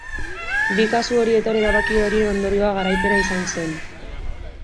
Bi kasu horietan erabaki horien ondorioa garaipena izan zen.